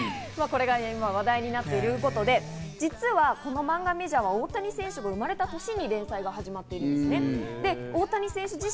これが話題になっているということで、実はこの漫画『ＭＡＪＯＲ』は大谷選手が生まれた年に連載が始まっているんです。